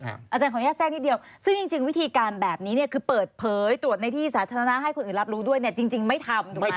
อาจารย์ขออนุญาตแทรกนิดเดียวซึ่งจริงวิธีการแบบนี้เนี่ยคือเปิดเผยตรวจในที่สาธารณะให้คนอื่นรับรู้ด้วยเนี่ยจริงไม่ทำถูกไหม